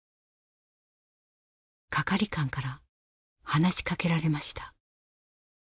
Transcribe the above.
係官から話しかけられました。